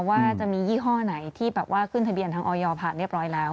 ว่าจะมียี่ห้อไหนที่แบบว่าขึ้นทะเบียนทางออยผ่านเรียบร้อยแล้ว